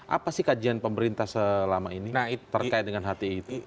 apa sih kajian pemerintah selama ini terkait dengan hti itu